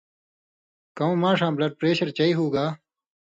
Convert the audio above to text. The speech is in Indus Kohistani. کؤں ماݜاں بلڈ پریشر چئی ہوگا